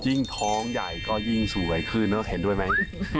ยิ่งท้องใหญ่ก็ยิ่งสวยขึ้นเนอะเห็นด้วยไหม